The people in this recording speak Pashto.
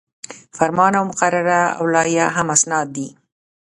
فرمان او مقرره او لایحه هم اسناد دي.